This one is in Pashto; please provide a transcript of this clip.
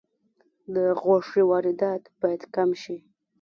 د غوښې واردات باید کم شي